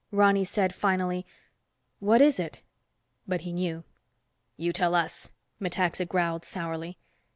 Ronny said finally, "What is it?" But he knew. "You tell us," Metaxa growled sourly.